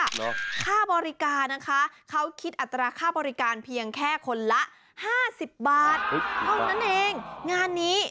เฮ้ยข้าบริการเขาคิดอัตราข้าบริการเพียงแค่คนละ๕๐บาทเท่านั้นเองงานนี้